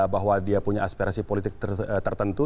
bahwa dia punya aspirasi politik tertentu